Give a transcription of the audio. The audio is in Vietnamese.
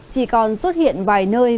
chỉ còn xuất hiện vài nơi